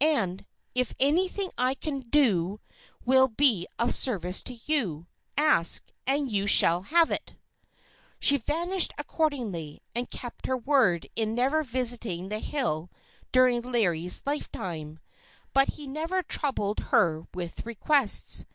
And, if anything I can do will be of service to you, ask and you shall have it." She vanished accordingly, and kept her word in never visiting the hill during Larry's lifetime; but he never troubled her with requests.